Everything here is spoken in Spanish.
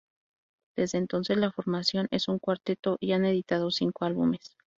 Desde entonces la formación es un cuarteto y han editado cinco álbumes.